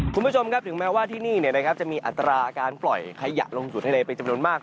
คุณผู้ชมครับถึงแม้ว่าที่นี่จะมีอัตราการปล่อยขยะลงสู่ทะเลเป็นจำนวนมาก